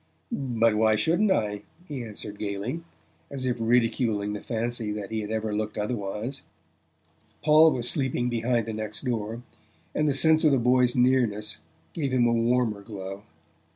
"But why shouldn't I?" he answered gaily, as if ridiculing the fancy that he had ever looked otherwise. Paul was sleeping behind the next door, and the sense of the boy's nearness gave him a warmer glow.